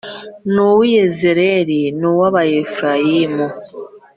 n’uw’i Yezerēli n’uw’Abefurayimu